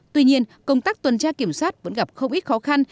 tuy nhiên công tác tuần tra kiểm soát vẫn gặp không ít khó khăn